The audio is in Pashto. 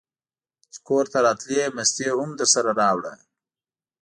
چې کورته راتلې مستې هم درسره راوړه!